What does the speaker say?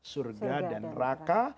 surga dan neraka